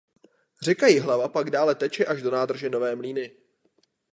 Řeka Jihlava pak dále teče až do nádrže Nové Mlýny.